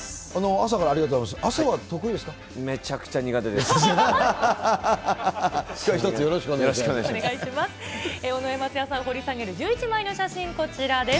朝は得意めちゃくちゃ苦手です。